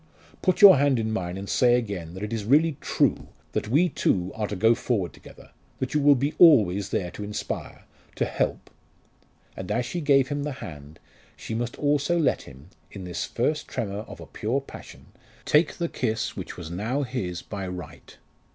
Put your hand in mine, and say again that it is really true that we two are to go forward together that you will be always there to inspire to help " And as she gave him the hand, she must also let him in this first tremor of a pure passion take the kiss which was now his by right.